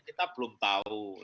kita belum tahu